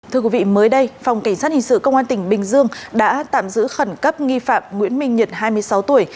thưa quý vị mới đây phòng cảnh sát hình sự công an tỉnh bình dương đã tạm giữ khẩn cấp nghi phạm nguyễn minh nhật hai mươi sáu tuổi